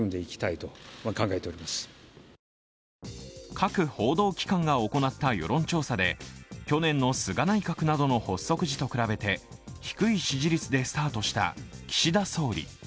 各報道機関が行った世論調査で去年の菅内閣などの発足時と比べて低い支持率でスタートした岸田総理。